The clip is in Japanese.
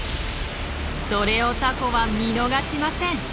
それをタコは見逃しません。